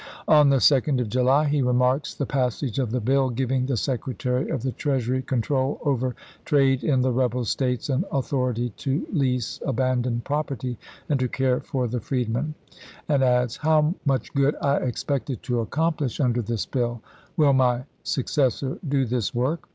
On the 1864. 2d of July he remarks the passage of the bill giving the Secretary of the Treasury control over trade in the rebel States and authority to lease abandoned property and to care for the freedmen, and adds :" How much good I expected to accomplish under warden, this bill ! Will my successor do this work